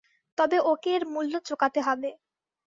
তবে ওকে এর মূল্য চোকাতে হবে।